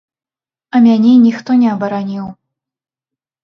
А мяне ніхто не абараніў.